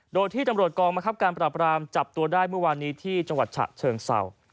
โดยที่ตำรวจกองมะครับการปราบรามจับตัวได้เมื่อวานนี้ที่จังหวัดฉะเชิงเศร้า